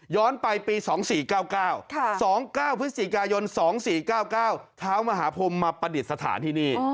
ไปปี๒๔๙๙๒๙พฤศจิกายน๒๔๙๙เท้ามหาพรมมาประดิษฐานที่นี่